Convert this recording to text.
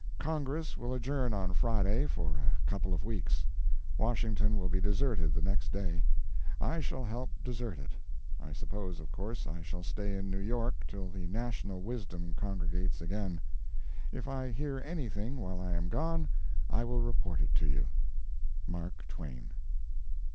Congress will adjourn on Friday for a couple of weeks. Washington will be deserted the next day. I shall help desert it. I suppose, of course, I shall stay in New York till the national wisdom congregates again. If I hear anything while I am gone I will report it to you. MARK TWAIN.